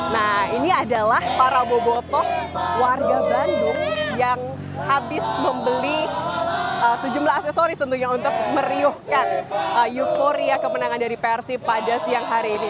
nah ini adalah para bobotoh warga bandung yang habis membeli sejumlah aksesoris tentunya untuk meriuhkan euforia kemenangan dari persib pada siang hari ini